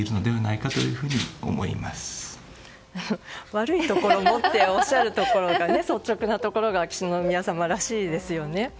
悪いところもとおっしゃるところが率直なところが秋篠宮さまらしいですよね。